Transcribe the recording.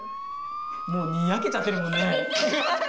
もうにやけちゃってるもんね。